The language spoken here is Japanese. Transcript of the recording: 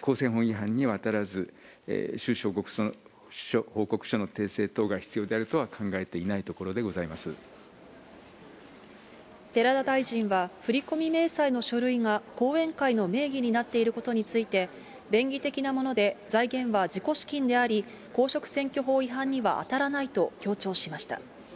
公選法違反には当たらず、収支報告書の訂正等が必要であるとは考えていないところでござい寺田大臣は、振り込み明細の書類が後援会の名義になっていることについて、便宜的なもので財源は自己資金であり、公職選挙法違反には当たらないと強調しました。